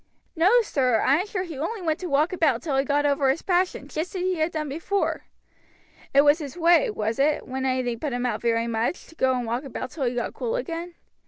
"No, sir; I am sure he only went out to walk about till he got over his passion, just as he had done before." "It was his way, was it, when anything put him out very much, to go and walk about till he got cool again?"